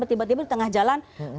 tiba tiba di tengah jalan